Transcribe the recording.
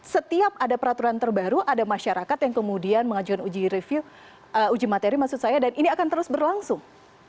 setiap ada peraturan terbaru ada masyarakat yang kemudian mengajukan uji materi maksud saya dan ini akan terus berlangsung